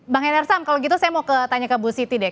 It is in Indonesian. bang endar sam kalau gitu saya mau tanya ke bu siti deh